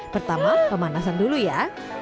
pertama pemanasan dulu ya